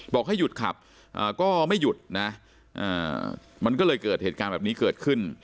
บอกให้หยุดขับก็ไม่หยุดนะมันก็เลยเกิดเหตุการณ์แบบนี้เกิดขึ้น